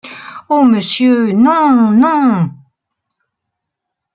Oh ! monsieur, non, non !